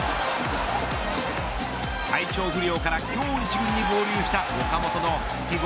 体調不良から今日、１軍に合流した岡本の復帰後